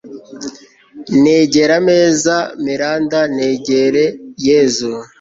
negera ameza meranda negere yezu